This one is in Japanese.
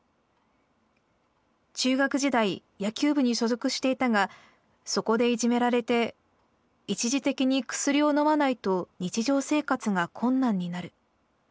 中学時代野球部に所属していたがそこでいじめられて一時的に薬を飲まないと日常生活が困難になる。